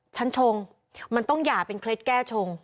ชงมันต้องหย่าเป็นเคล็ดแก้ชง